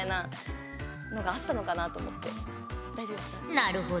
なるほど。